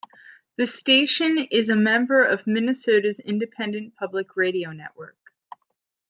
The station is a member of Minnesota's Independent Public Radio network.